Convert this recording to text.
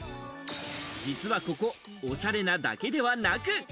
実はここ、おしゃれなだけではなく。